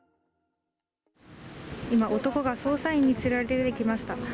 今、男が捜査員に連れられ出てきました。